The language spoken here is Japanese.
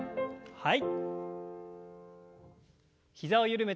はい。